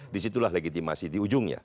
disitulah legitimasi di ujungnya